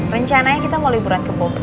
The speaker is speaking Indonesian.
rencananya kita mau liburan ke bogor